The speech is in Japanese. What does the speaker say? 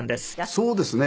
そうですね。